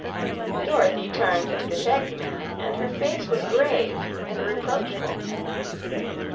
Dorothy turned to the shaggy man, and her face was grave and reproachful.